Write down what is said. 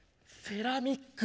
セラミック！